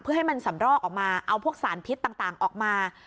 เพื่อให้มันสำรอกออกมาเอาพวกสารพิษต่างออกมา